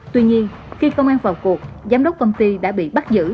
tuy nhiên khi công an vào cuộc giám đốc công ty đã bị bắt giữ